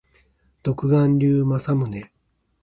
独眼竜政宗